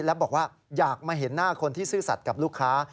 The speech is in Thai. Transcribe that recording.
และบอกว่าอยากมาเห็นหน้าคนที่ซื่อสัตว์กับลูกค้า